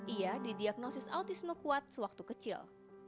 ia didiagnosis autisme kuat sewaktu kecil